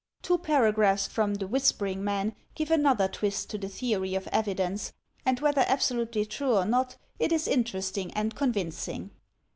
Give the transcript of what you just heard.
Two paragraphs from " The Whispering Man '* give another twist to the theory of evidence, and whether absolutely true or not, it is interesting and convincing.